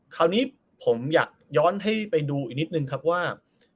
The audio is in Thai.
คราวนี้ผมอยากย้อนให้ไปดูอีกนิดนึงครับว่า